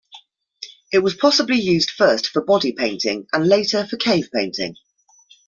It was possibly used first for body painting, and later for cave painting.